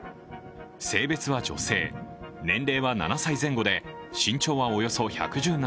性別は女性、年齢は７歳前後で身長はおよそ１１７ｃｍ。